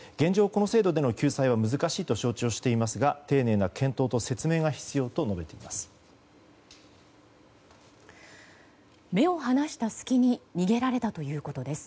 この制度での救済は難しいと承知していますが丁寧な検討と説明が必要と述べています。